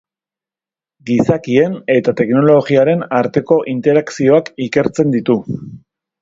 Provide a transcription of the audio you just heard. Gizakien eta teknologiaren arteko interakzioak ikertzen ditu.